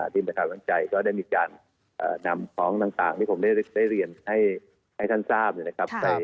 ดินประการน้ำใจก็ได้มีการนำของต่างที่ผมได้เรียนให้ท่านทราบ